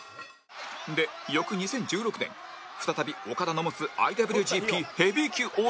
で翌２０１６年再びオカダの持つ ＩＷＧＰ ヘビー級王座に挑戦